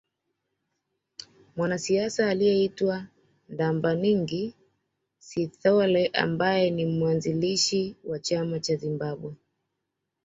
Mwanasiasa aliyeitwa Ndabaningi Sithole ambaye ni mwanzilishi wa chama cha Zimbabwe